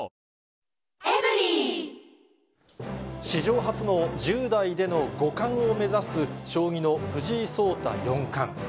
史上初の１０代での五冠を目指す、将棋の藤井聡太四冠。